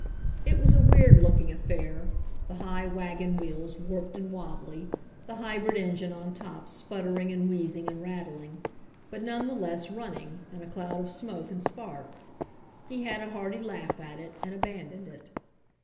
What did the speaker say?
It was a weird looking affair, the high wagon wheels warped and wobbly, the hybrid engine on top sputtering and wheezing and rattling, but none the less running, in a cloud of smoke and sparks. He had a hearty laugh at it and aban doned it.